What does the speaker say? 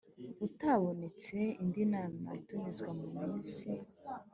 Utabonetse indi nama itumizwa mu minsi